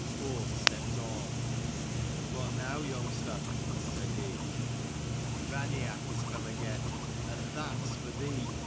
Forth stepped Orm :" What now young ster ?" said he. " Raineach is come again, and that's for thee